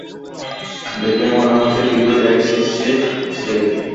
দেখে মনে হচ্ছে ভীতুর একশেষ সে।